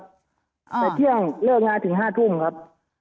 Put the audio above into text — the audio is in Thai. แต่เที่ยงเลิกงานถึง๕ทุ่มครับ